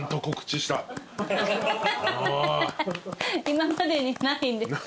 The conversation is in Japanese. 今までにないんですか？